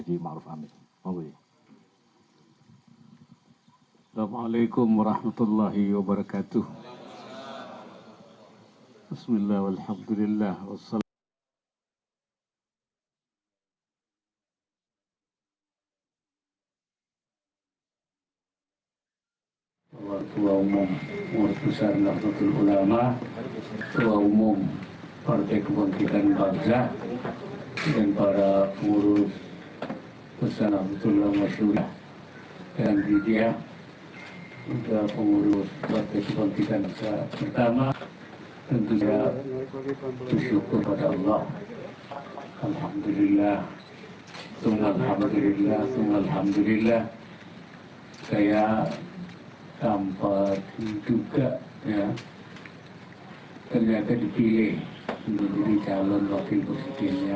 janganlah berbeda terhadap tersebut